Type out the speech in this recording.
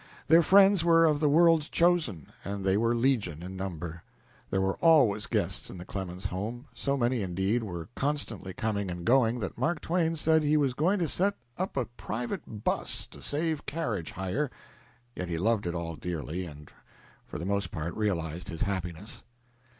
Their friends were of the world's chosen, and they were legion in number. There were always guests in the Clemens home so many, indeed, were constantly coming and going that Mark Twain said he was going to set up a private 'bus to save carriage hire. Yet he loved it all dearly, and for the most part realized his happiness.